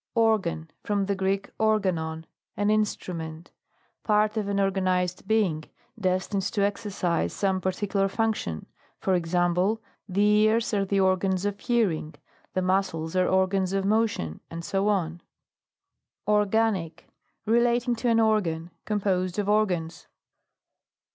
ORGAN. From the Gieek, organon t an instrument. Part of an orga nised being, destined to exercise some particular function ; for ex ample, the ears are the organs of hearing, the muscles are organs of motion, &,c. ORGANIC. Relating to an organ. Com posed of organs.